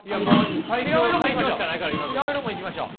黄色もいきましょうか？